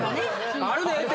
あるでええって。